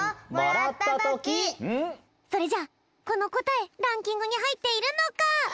それじゃこのこたえランキングにはいっているのか？